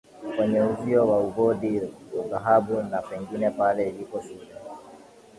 kwenye uzio wa ugodi wa dhahabu na pengine pale ilipo shule